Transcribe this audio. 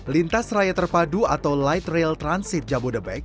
lintas raya terpadu atau light rail transit jabodebek